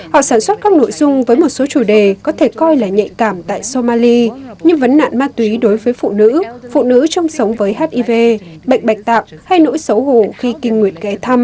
họ sản xuất các nội dung với một số chủ đề có thể coi là nhạy cảm tại somali như vấn nạn ma túy đối với phụ nữ phụ nữ trong sống với hiv bệnh bạch tạng hay nỗi xấu hổ khi kinh nguyệt ghé thăm